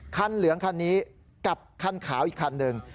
เหลืองคันนี้กับคันขาวอีกคันหนึ่ง